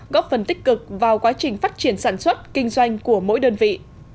góp phần tích cực vào quá trình phát triển sản xuất kinh doanh của mỗi đơn vị